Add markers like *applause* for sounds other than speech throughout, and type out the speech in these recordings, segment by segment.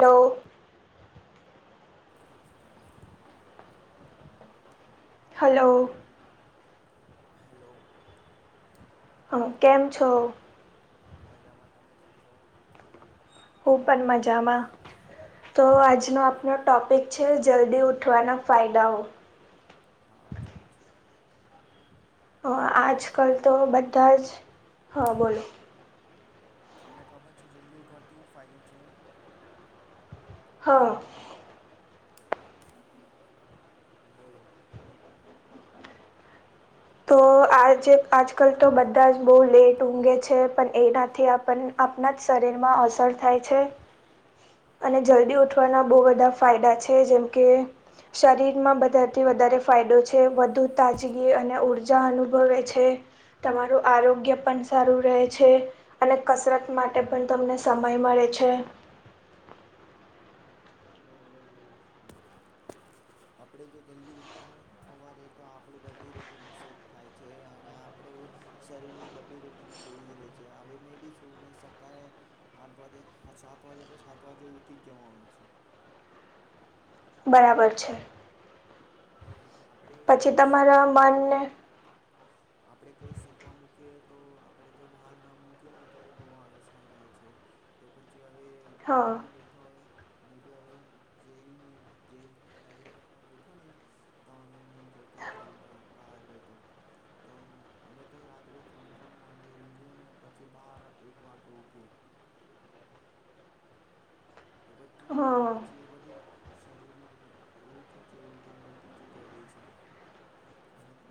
Hello. Hello. Hello. હા કેમ છો? મજામાં તમે કેમ છો? હું પણ મજામાં, તો આજનો એવું આપણ ટૉપિક છે જલ્દી ઉઠવાના ફાયદાઓ. હા ચાલ. હ આજકાલ તો બધા જ, હા બોલો. તમને ખબર છે જલ્દી ઉઠવાતીવું ફાઇલો છે? હા. બોલો. તો આ જેે આજકાલ તો બધા જ બહુ લેટ ઊંઘે છે, પણ એનાથી આપણ આપણા જ શરીરમાં અસર થાય છે. અને જલ્દી હા ઉઠવાના બહુ બધા ફાયદા છે જેમ કે. શરીરમાં બધાથી વધારે ફાયદો છે વધુ તાજગી અને ઉર્જા અનુભવે છે. તમારું આરોગ્ય પણ સારું રહે છે. અને કસરત માટે પણ તમને સમય મળે છે. અર અમર બોલા છે. આપણે જો જલ્દી ઉઠતા હોય ને સવારે તો આપણું બધી રૂટન સેટ થાય છે અને આપણે શરીરની બધી રૂટીન તેવી જ ર રહે છે હ મે બી છું મે સક. આઠ વાગે હ સાત વાગે તો સાત વાગે ઉઠી જ જવા હોય છે. બરાબર છે. આપણે પછી કંઈ તમારા શીખવાનું મનને આપણે કઈ શીખવા મુકી કે તો આપડે કઈ બહાર કામ મૂકીએને અત્યારે બહુ આલસ આઈ જાય છે તો પછી હવે હા બીજી બધી *unintelligible* *unintelligible* તો અમે તો રાત્રે ત્રણ ત્રણ વાગે ઊંઘીએ અને પછી બહાર એક વાગ્યે ઊઠીએ તો પચી હા પચ્ચી કબડ્ડી શરીર એવું કે છે કિંમતે ચુકાઈ ગઈ છે હરે હરે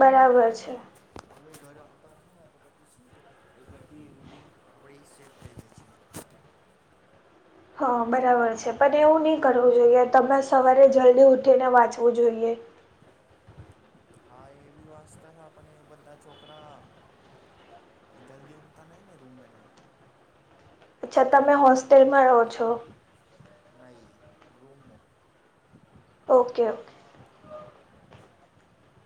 બરાબર છે હવે ઘરે આવતા હ ને તો પછી શું કે બધી રૂટીન આપણી સેટ થઈ ગઈ છે. હા બરાબર છે પણ એવું નહી કરવું જોઈએ તમે સવારે જલ્દી ઉઠીને વાંચવું જોઈએ. હા એવી વાસ્તા આપને એ બધા છોકરા જલ્દી ઉઘતા નહી ને રૂમ બેના અચ્છા તમે હોસ્ટેલમાં રહો છો. નઈ રૂમો. Okay okay.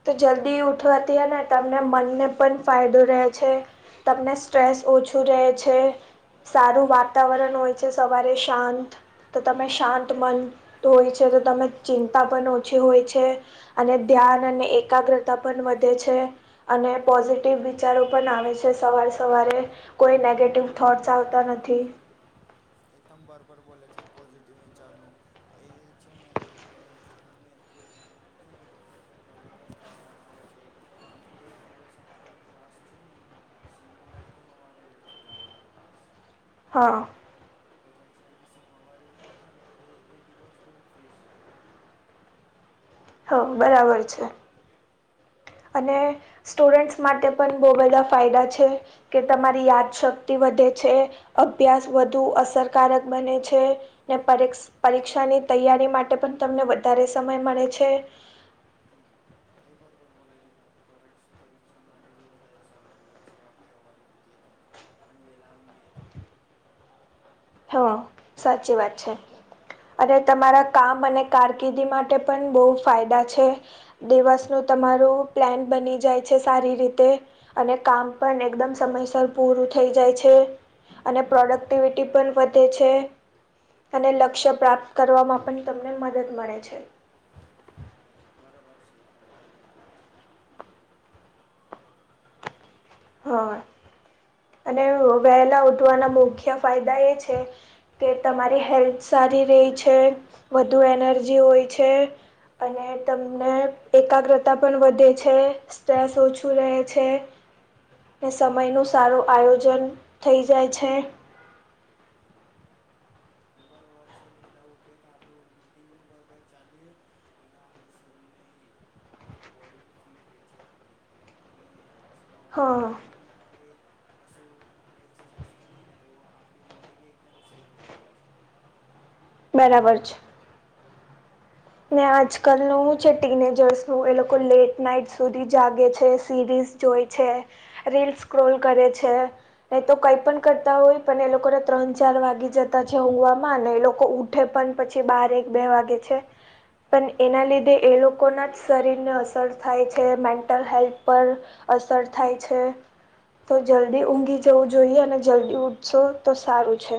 તો જલ્દી ઉઠવાથી હે ને તમને મનને પણ ફાયદો રે છે. તમને સ્ટ્રેસ ઓછું રેહે છે. સારું વાતાવરણ હોય છે સવારે શાંત તો તમે શાંત મન તું હોય છે તો તમે ચિંતા પણ ઓછી હોય છે. અને ધ્યાન અને એકાગ્રતા પણ વધે છે. અને પોઝિટિવ વિચારો પણ આવે છે સવારે સવારે કોઈ નેગેટિવ થોટસ આવતા નથી. એ તમ બરબર બોલે છે પોઝિટિવ વિચારનું એ છે ને હવે હવે એ પણ *unintelligible* અલગ અલગ ધણ આવે છે અને એક દિવસ અમારા માસ છે ને *unintelligible* હા. આ સવારે ઉઠતા તાને તો એ દિવસ બહ ફ્રેશ જતો હતો. અમારો હઓ બરાબર છે અને સ્ટુડન્ટસ માટે પણ બહુ બધા ફાયદા છે. કે તમારી યાદશક્તિ વધે છે અભ્યાસ વધુ અસરકારક બને છે ને પરીક્ષાની તૈયારી માટે પણ તમને વધારે સમય મળે છે. હમ એ ભરભર બોલે છે તમે ફોર એક્સ પરીક્ષા માટે બી વધારે સમય મળે છે આપણે હવારે ઊઠીએ તો અને વેલા ઊંઘે છે હ સાચી વાત છે. અને તમારા કામ અને કારકિર્દી માટે પણ બહુ ફાયદા છે. દેવાસ નું તમારું પ્લેન બની જાય છે સારી રીતે અને કામ પણ એકદમ સમયસર પૂરું થઈ જાય છે અને પ્રોડક્ટિવિટી પણ વધે છે અને લક્ષ્ય પ્રાપ્ત કરવામાં પણ તમને મદદ મળે છે. *unintelligible* હ અને વહેલા ઉઠવાના મુખ્ય ફાયદા એ છે કે તમારી હેલ્થ સારી રેહે છે વધુ એનર્જી હોય છે. અને તમને એકાગ્રતા પણ વધે છે. સ્ટ્રેસ ઓછું રહે છે. સમય નું સારું આયોજન થઈ જાય છે હા બરોબર છે *unintelligible* બરોબર ચાલીરે અને આપડું શરીર ની બોડી બી ફીટ રે છે આપડી *inaudible* સવાર માં ઉઠીને આપણે કછું આપણે એક્સરસાઇઝ કરી ને તો આપણી બોડી બી એકદમ સેફ રહેવાની છે બરાબર છે ને એથી આજકાલ નું છે ટીનેજર્સ ન એ લોકો લેટ નાઈટ સુધી જાગે છે સિરીઝ જોઈ છે રીલસ સ્ ક્રોલ હા એ કરે છે એ તો કઈ પણ કરતા હોય પણ એ લોકોને ત્રણ ચાર વાગી જતા છે ઊઘવામાં અને એ લોકો ઠેપન પછી બાર એક બે વાગે છે પણ એના લીધે એ લોકોના જ શરીરને અસર થાય છે મેન્ટલ હા હેલ્થ પર અસર થાય છે તો જલ્દી ઊંઘી જવું જોઈએ અને જલ્દી ઊઠશો તો સારું છે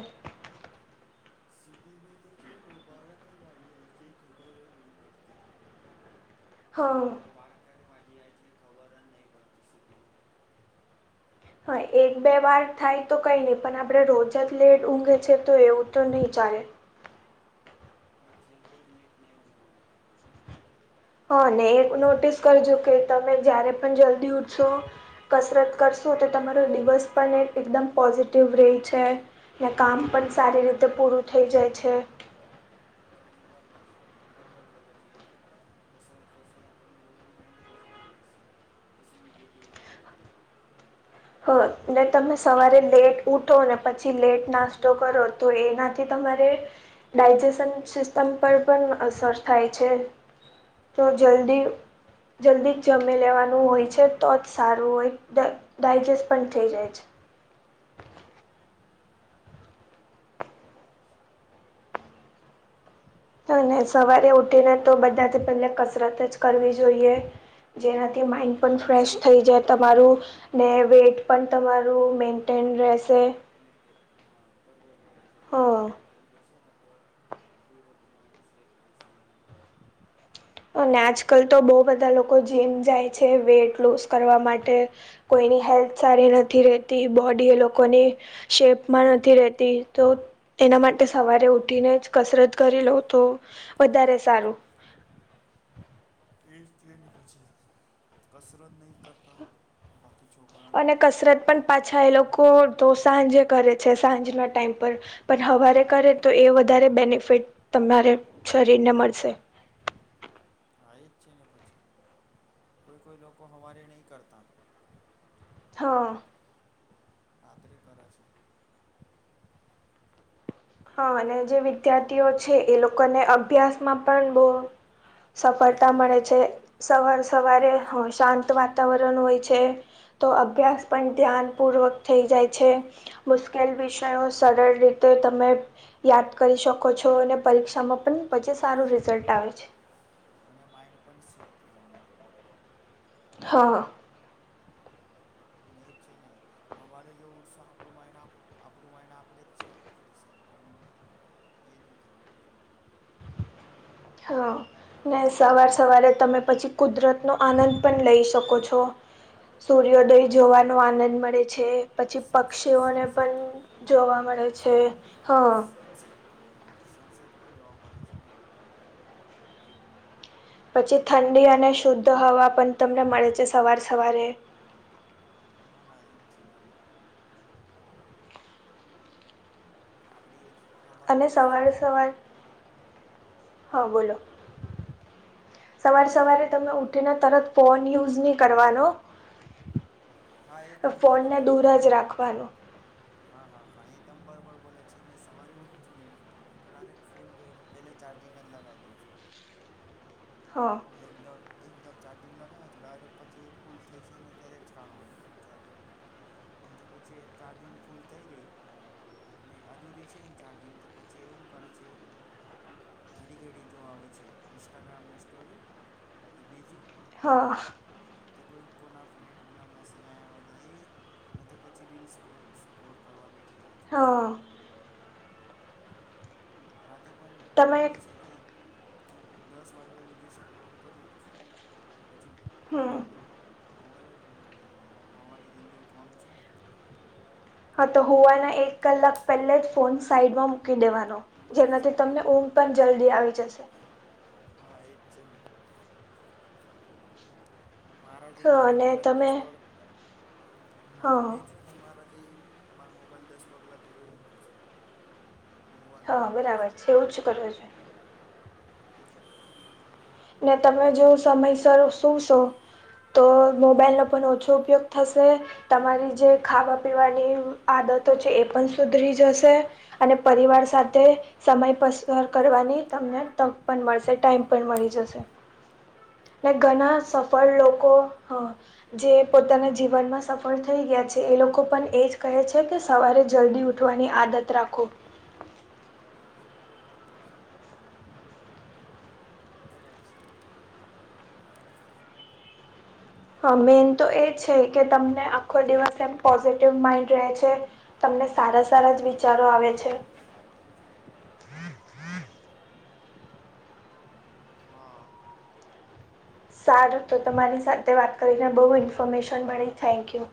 સિગની તો છે ગણભારાતને વાડીએ તે ખબર જ નહીં પડતી હા વારક્યારે માજી આ છે ખવર જ નહીં પડતી સિટીમાં હા એક બે વાર થાય તો કઈ નહી પણ આપડે રોજ જ લેટ ઊંઘે છે તો એવું તો નહી ચાલે હા એ રોજ નક *unintelligible* હ અનેને એ નોટિસ કરજો કે તમે જ્યારે પણ જલ્દી ઉઠશો કસરત કરશું તો તમારો દિવસ પણ એકદમ પોઝિટિવ રહે છે ને કામ પણ સારી રીતે પૂરું થઈ જાય છે *unintelligible* બસ બરોબર *unintelligible* છે કસ કસ આપ વું માઇન્ડ પઝિટિવ રહે છે પછ નેગેટિિવ પોઇન્ટ હ ને તમે સવારે લેટ ઉઠો ને પછી લેટ નાસ્તો કરો તો એનાથી તમારે ડાયજેશન સિસ્ટમ પર પણ અસર થાય છે તો હા જલ્દી જલ્દી જ જમી લેવાનું હોય છે તો જ સારું હોય ડાયજેસ્ટ પણ થઈ જાય છે હા બરોબર છે અને સવારે ઉઠીને તો બધાથી પહેલા કસરત જ કરવી જોઈએ જેનાથી હા માઈન્ડ પણ ફ્રેશ થઈ જાય તમારું ને વેઇટ પણ તમારું મેન્ટેન રહેશે મેન્ટેન બરોબર હે હા. એ જ રહેશે એમ. અને આજકાલ તો બહુ બધા લોકો જીમ જાય છે વેઇટ લૂસ કરવા માટે કોઈની હેલ્થ સારી નથી રહેતી બોડી એ લોકોની શેપ માં નથી રહેતી તો એના માટે સવારે ઉઠીને જ કસરત કરી લઉ તો વધારે સારું એને પછી કસરત નહીં કરતા બાકી છોકરા અને કસરત પણ પાછા એ લોકો તો સાંજે કરે છે સાંજના ટાઈમ પર પણ સવારે કરે તો એ વધારે બેનિફિટ તમારે શરીરને મળશે હા એ જ છે ને પછી કોઈ કોઈ લોકો હમારે નહીં કરતા હા રાતે કરે છે હા અને જે વિદ્યાર્થીઓ છે એ લોકોને અભ્યાસમાં પણ બહ છે સફળતા હા એ મળે છે સવારે એ સવારે શાંત વાતાવરણ હોય છે તો અભ્યાસ પણ ધ્યાનપૂર્વક થઈ જાય છે મુશ્કેલ વિષયો સરળ રીતે તમે યાદ કરી શકો છો અને પરીક્ષામાં પણ પછી સારું રિઝલ્ટ આવે છે અને માઈન્ડ પણ સેટ *unintelligible* નો હા છે ને અમારે જો ઉત્સાહ આપણું મા આપણું માને આપડે જ છે છે પણ એને તોવા હા ને સવાર સવારે તમે પછી કુદરત નો આનંદ પણ લઈ શકો છો સૂર્યોદય જોવાનો આનંદ મળે છે પછી સનસે પક્ષીઓને સનસેટ પણ જોવા મળે છે હા પંસઠ સનસેટ પણ જોવા મળે છે પછી ઠંડી અને શુદ્ધ હવા પણ તમને મળે છે સવાર સવારે ના ના એમ છે આપણી એક અને સવારે સવારે હા બોલો સવારે સવારે બોલો તમે કો ઉ ઠી ને તરત ફોન યુઝ નહીં કરવાનો હા એ તમ બરોબર ફોનને બોલે દૂર છે જ રાખવાનો હા હા હા એ તમ બરાબર બોલે છે મેં સવારે ઉઠું છું ને તો ડરેક્ટ ફોન પે પેલે ચાર્જિંગ જ લગાવી દઉં છે હા એકદમ એકદમ ચાર્જિંગ લગાવ તો ડાયરેક્ટ પછી એ ફૂલ થઈ છે ને ત્યારે જ કાઢવાનો ચાર્જિંગ માંથી હ તો પછી ચાર્જિંગ ફૂલ થઈ ગઈ નહીં અધૂરી છે ને ચાર્જિંગ તો પછી એવું કરે છે ઘડી ઘડી જો આવે છે ઇન્સ્ટાગ્રામના સ્ટોરી તો બીજું હા કે કોઈ કોના ફ્રેન્ડ મ મેસેજ આવ્યા હોય તો એ તો પછી રીલ્સ કો સ્કોર કરવા બેઠી જાય છે હા રાતે પણ તમે રીલ છે ને દસ વાગેલુગીસ સલોર કર્યું છે પછી બંધ હમ કરી દેવાનું મોબાઈલ જ બંધ કરી દેવાનું હવારે જલઘી ઉઠવાનું છે ને હા તો હૂવાના એક કલાક પહેલે જ ફોન સાઈડમાં મૂકી દેવાનો જેમાંથી તમને ઊંઘ પણ જલ્દી આવી જશે હા એ છે મારાથી હા મારો અને મોબાઈલ તમે દસ પગ હા મે *unintelligible* મારાથી મારા મોબાઈલ દસ પગલાં દૂર જ મુકુ છું ઊંઘવાના હા ટાઈમને જ બરાબર છે એવું જ કરવું જોઈએ ને તમે જો સમયસર સુું સો તો મોબાઈલનો પણ ઓછો ઉપયોગ થશે તમારી જે ખાવા પીવાની આદતો છે એ પણ સુધરી જશે અને પરિવાર સાથે સમય પસાર કરવાની તમને તક પણ મળશે ટાઈમ પણ મળી જશે ને હા ઘણા બરાબર છે સફળ લોકો હ જે પોતાના જીવનમાં સફળ થઈ ગયા છે એ લોકો પણ એ જ કહે છે કે સવારે જલ્દી ઉઠ ઉોઠવાની આદત રાખો બરોબર છે હ મેન તો એ જ છે કે તમને આખો દિવસ એમ પોઝિટિવ માઈન્ડ રહે છે તમને સારા સારા જ વિચારો આવે છે *inaudible* હા સારું તો તમારી સાથે વાત કરીને બહુ ઇન્ફોર્મેશન મળી થેન્ક યુ